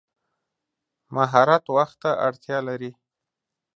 مهارت وخت ته اړتیا لري.